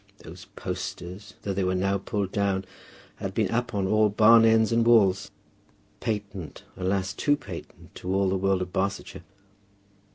Those posters, though they were now pulled down, had been up on all barn ends and walls, patent alas, too patent to all the world of Barsetshire!